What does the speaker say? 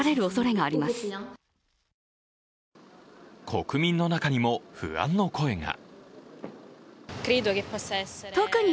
国民の中にも不安の声が。